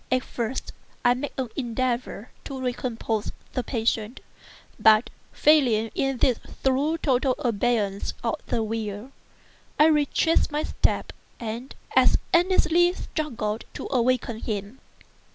At first I made an endeavor to recompose the patient; but, failing in this through total abeyance of the will, I retraced my steps and as earnestly struggled to awaken him.